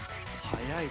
はい。